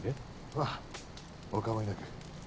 まあお構いなく。